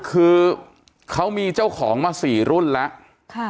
คือเขามีเจ้าของมา๔รุ่นแล้ว